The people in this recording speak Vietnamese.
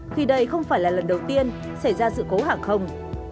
khi đây không phải là lần đầu tiên xảy ra sự cố hàng không